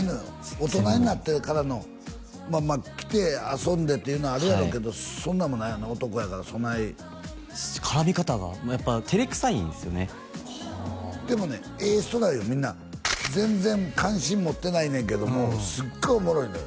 大人になってからの来て遊んでっていうのはあるやろけどそんなのもないよな男やからそない絡み方がやっぱ照れくさいんですよねでもねええ人なんよみんな全然関心持ってないねんけどもすっごいおもろいのよ